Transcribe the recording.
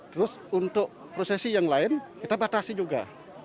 terus untuk prosesi yang lain kita batasi juga